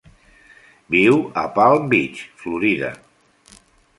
Viu a Palm Beach, Florida.